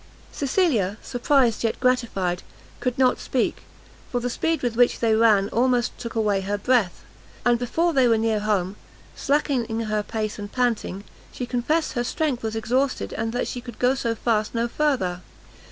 Cecilia, surprised, yet gratified, could not speak, for the speed with which they ran almost took away her breath; and before they were near home, slackening her pace, and panting, she confessed her strength was exhausted, and that she could go so fast no further.